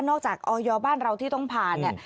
นอกจากอยอบ้านเราที่ต้องผ่าน